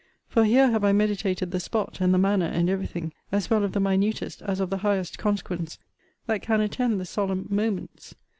For here have I meditated the spot, and the manner, and every thing, as well of the minutest as of the highest consequence, that can attend the solemn moments.